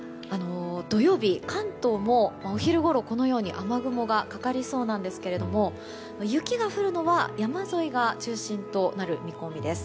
土曜日、関東もお昼ごろ、このように雨雲がかかりそうなんですけども雪が降るのは山沿いが中心となる見込みです。